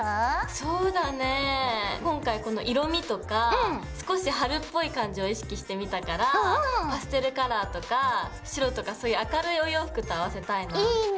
そうだね今回この色みとか少し春っぽい感じを意識してみたからパステルカラーとか白とかそういう明るいお洋服と合わせたいな。いいね！